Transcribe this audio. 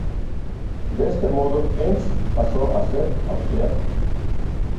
De este modo Enns pasó a ser austriaco.